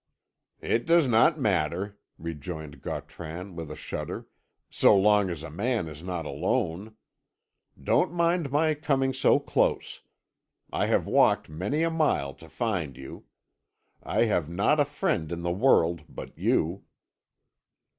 "It does not matter," rejoined Gautran, with a shudder, "so long as a man is not alone. Don't mind my coming so close. I have walked many a mile to find you. I have not a friend in the world but you."